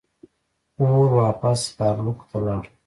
اور واپس ګارلوک ته لاړ.